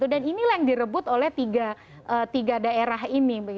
dan inilah yang direbut oleh tiga daerah ini